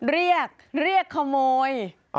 เรียกเรียกขโมย